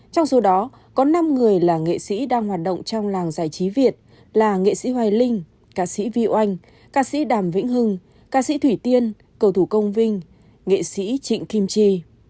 trong số đó có năm người là nghệ sĩ đang hoạt động trong làng giải trí việt là nghệ sĩ hoài linh ca sĩ vy oanh ca sĩ đàm vĩnh hưng ca sĩ thủy tiên cầu thủ công vinh nghệ sĩ trịnh kim chi